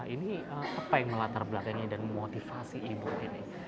ini apa yang melatar belakangnya dan memotivasi ibu ini